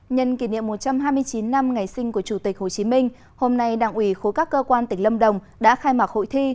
nhân kỷ niệm một trăm hai mươi chín năm ngày sinh của chủ tịch hồ chí minh hôm nay đảng ủy khối các cơ quan tỉnh lâm đồng đã khai mạc hội thi